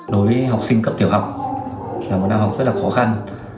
đối với học sinh cấp tiểu học là một năm học rất là khó khăn